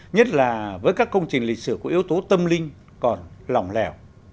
nhất là với các công trình lịch sử của yếu tố tâm linh còn lỏng lẻo